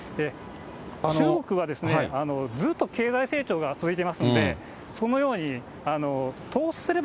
中国は、ずっと経済成長が続いていますので、そのように、投資すれば